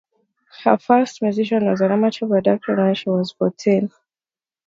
Her first musical was an amateur production when she was fourteen.